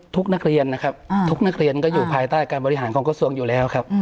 ทุกนักเรียนนะครับทุกนักเรียนก็อยู่ภายใต้การบริหารของกระทรวงอยู่แล้วครับ